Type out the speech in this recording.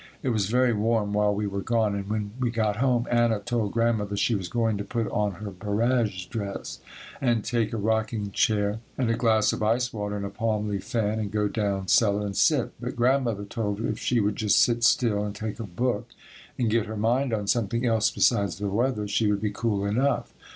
It was very warm while we were gone and when we got home Anna told Grandmother she was going to put on her barège dress and take a rocking chair and a glass of ice water and a palm leaf fan and go down cellar and sit, but Grandmother told her if she would just sit still and take a book and get her mind on something else besides the weather, she would be cool enough.